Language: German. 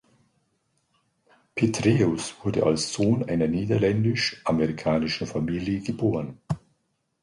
Petraeus wurde als Sohn einer niederländisch-amerikanischen Familie geboren.